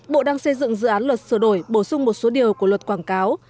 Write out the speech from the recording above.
bộ đang xây dựng dự án luật sửa đổi bổ sung một số điều của luật quảng cáo